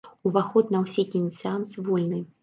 Уваход на ўсе кінасеансы вольны.